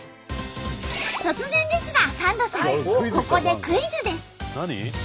突然ですがサンドさん！ここでクイズです！